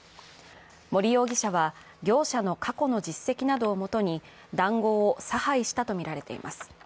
森容疑者は業者の過去の実績などをもとに談合を差配したとみられています。